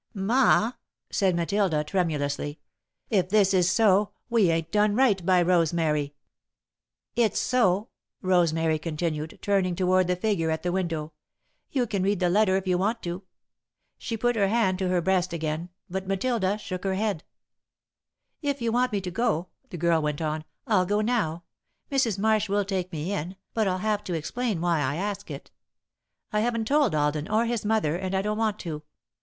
"Ma," said Matilda, tremulously, "if this is so, we ain't done right by Rosemary." "It's so," Rosemary continued, turning toward the figure at the window. "You can read the letter if you want to." She put her hand to her breast again, but Matilda shook her head. [Sidenote: Grandmother's Decision] "If you want me to," the girl went on, "I'll go now. Mrs. Marsh will take me in, but I'll have to explain why I ask it. I haven't told Alden, or his mother, and I don't want to.